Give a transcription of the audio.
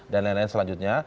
dan lain lain selanjutnya